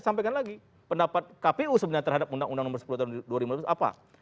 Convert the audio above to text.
sampaikan lagi pendapat kpu sebenarnya terhadap undang undang nomor sepuluh tahun dua ribu lima belas apa